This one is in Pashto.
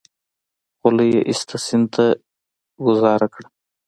خولۍ يې ايسته سيند ته گوزار کړه.